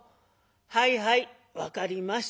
はいはい分かりました。